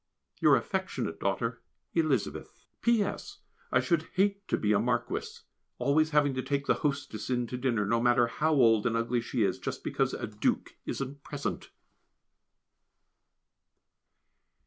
Your affectionate daughter, Elizabeth. P.S. I should hate to be a marquis always having to take the hostess in to dinner no matter how old and ugly she is, just because a duke isn't present.